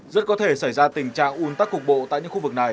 rất có thể xảy ra tình trạng un tắc cục bộ tại những khu vực này